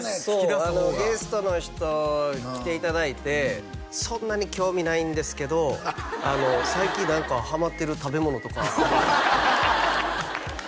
そうゲストの人来ていただいてそんなに興味ないんですけど「最近何かハマってる食べ物とかあります？」